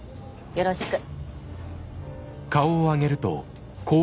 よろしく。